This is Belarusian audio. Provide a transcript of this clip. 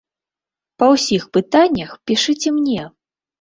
Па ўсіх пытаннях пішыце мне!